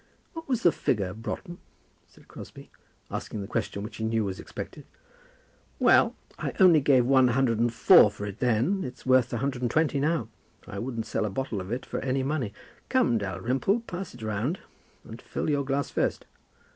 "What was the figure, Broughton?" said Crosbie, asking the question which he knew was expected. "Well, I only gave one hundred and four for it then; it's worth a hundred and twenty now. I wouldn't sell a bottle of it for any money. Come, Dalrymple, pass it round; but fill your glass first."